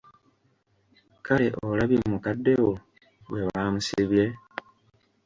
Kale olabye mukadde wo bwe baamusibye!